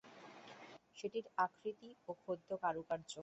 সেটির আকৃতি ও খোদিত কারুকার্য দেখে তিনি একেবারে মুগ্ধ।